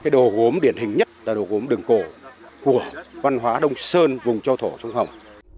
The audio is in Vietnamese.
đồ gốm điển hình nhất là đồ gốm đường cổ của văn hóa đông sơn vùng châu thổ sông hồng